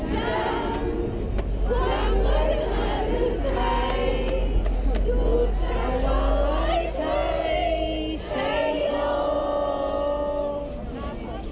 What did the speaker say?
ทุกข่าวไว้ชัยชัยโลก